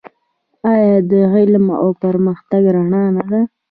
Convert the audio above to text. آیا د علم او پرمختګ رڼا نه ده؟